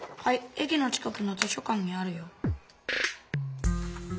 えきの近くの図書館にあるよ。